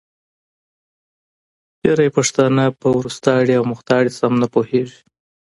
ډېری پښتانه په وروستاړې او مختاړې سم نه پوهېږې